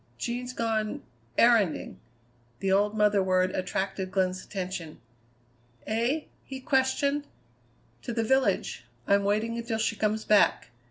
"Jean's gone erranding." The old mother word attracted Glenn's attention. "Eh?" he questioned. "To the village. I'm waiting until she comes back.